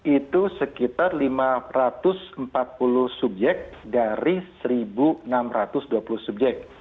itu sekitar lima ratus empat puluh subjek dari satu enam ratus dua puluh subjek